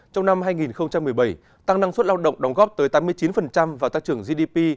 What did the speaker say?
trong năm hai nghìn một mươi bảy tăng năng suất lao động đóng góp tới tám mươi chín vào tăng trưởng gdp